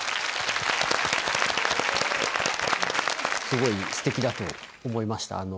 すごいすてきだと思いました。